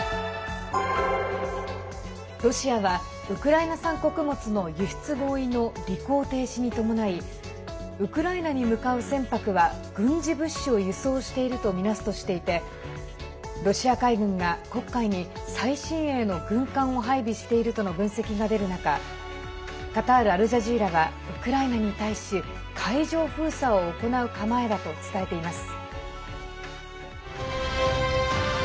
ロシアはウクライナ産穀物の輸出合意の履行停止に伴いウクライナに向かう船舶は軍事物資を輸送しているとみなすとしていてロシア海軍が黒海に最新鋭の軍艦を配備しているとの分析が出る中カタール・アルジャジーラはウクライナに対し海上封鎖を行う構えだと伝えています。